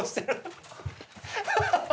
ハハハハ！